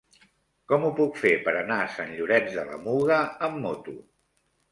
Com ho puc fer per anar a Sant Llorenç de la Muga amb moto?